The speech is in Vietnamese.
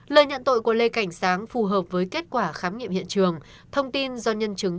lời nhận tội của lê cảnh sáng phù hợp với kết quả khám nghiệm hiện trường thông tin do nhân chứng